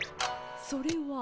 それは？